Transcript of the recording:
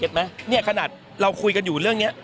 เนี่ยขนาดเราคุยกันอยู่เรื่องนี้